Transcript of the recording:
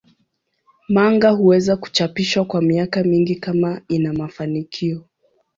Manga huweza kuchapishwa kwa miaka mingi kama ina mafanikio.